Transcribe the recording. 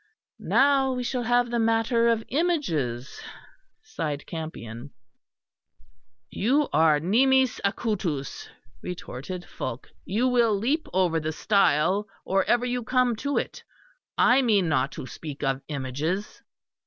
"Now we shall have the matter of images," sighed Campion. "You are nimis acutus," retorted Fulke, "you will leap over the stile or ever you come to it. I mean not to speak of images."